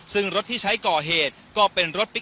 ตอนนี้จะเปลี่ยนอย่างนี้หรอว้าง